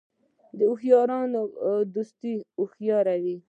د هوښیارانو دوست هوښیار وي .